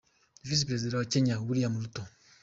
Visi Perezida wa kenya, Wiliam Ruto